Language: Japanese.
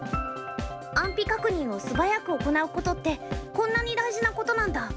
安否確認を素早く行うことってこんなに大事なことなんだ。